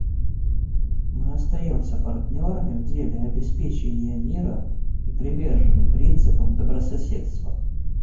Мы остаемся партнерами в деле обеспечения мира и привержены принципам добрососедства.